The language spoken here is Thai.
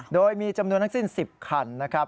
โดยมีจำนวนทั้งสิ้น๑๐คันนะครับ